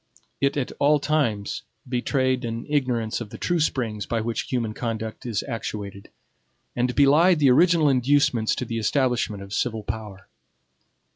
It at all times betrayed an ignorance of the true springs by which human conduct is actuated, and belied the original inducements to the establishment of civil power.